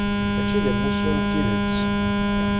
Mačči d amussu n tidet.